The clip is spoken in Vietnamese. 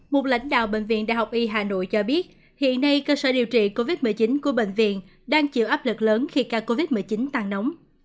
một lãnh đạo bệnh viện đại học y hà nội cho biết hiện nay cơ sở điều trị covid một mươi chín của bệnh viện đang chịu áp lực lớn khi ca covid một mươi chín tăng nóng